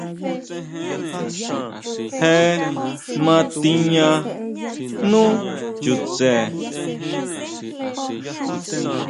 Je ma tiña nú chutse.